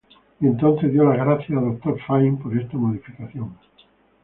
Y entonces dio las gracias a "Doctor Fine" por esta modificación.